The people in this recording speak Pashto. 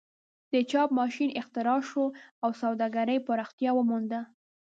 د چاپ ماشین اختراع شو او سوداګري پراختیا ومونده.